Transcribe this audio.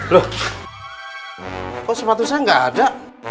loh kok sepatu saya nggak ada